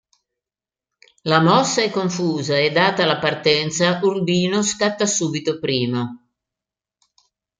La mossa è confusa e, data la partenza, Urbino scatta subito primo.